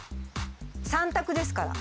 ３択ですから。